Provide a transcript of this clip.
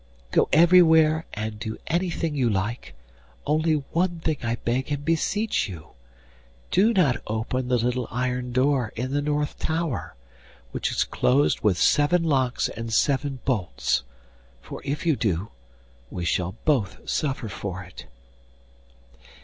Go everywhere and do anything you like; only one thing I beg and beseech you, do not open the little iron door in the north tower, which is closed with seven locks and seven bolts; for if you do, we shall both suffer for it.